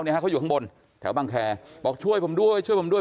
เขาอยู่ข้างบนแถวบังแคบอกช่วยผมด้วยช่วยผมด้วย